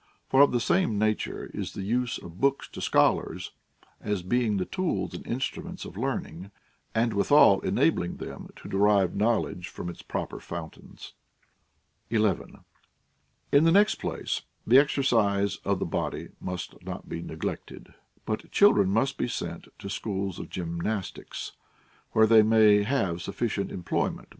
For of the same nature is the use of books to scholars, as being the tools and instruments of learning, and withal enabling them to derive knowledge from its proper fountains. 11. In the next place, the exercise of the body must not OF THE TRAINING OF CHILDREN. 19 be neglected ; but children must be sent to schools of gym nastics, where they may have sufficient employment that Avay also.